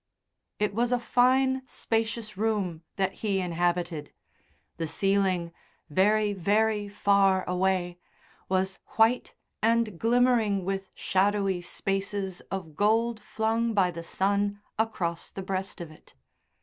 It was a fine, spacious room that he inhabited. The ceiling very, very far away was white and glimmering with shadowy spaces of gold flung by the sun across the breast of it.